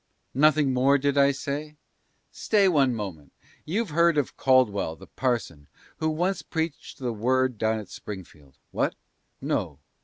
Nothing more, did I say? Stay one moment; you've heard Of Caldwell, the parson, who once preached the Word Down at Springfield? What, No?